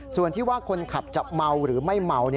ส่วนที่ว่าคนขับจะเมาหรือไม่เมา